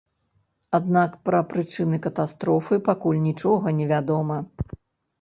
Аднак пра прычыны катастрофы пакуль нічога невядома.